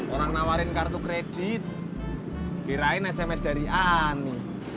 orang nawarin kartu kredit kirain sms dari ani